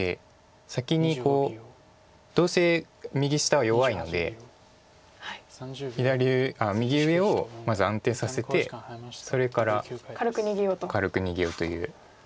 先にこうどうせ右下は弱いので右上をまず安定させてそれから軽く逃げようという。